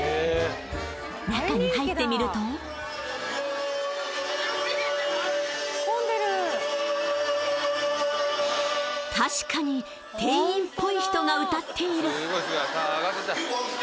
中に入ってみると確かに店員っぽい人が歌っている。